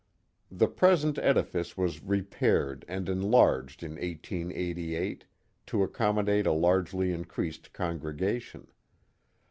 The present edifice was repaired and enlarged in 1888 to accommodate a largely increased congregation.